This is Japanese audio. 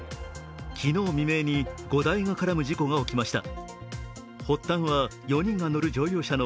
昨日未明に５台が絡む事故が起きました。